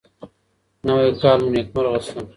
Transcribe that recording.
نوی کال مو نيکمرغه شه.